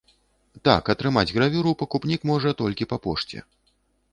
Так, атрымаць гравюру пакупнік можа толькі па пошце.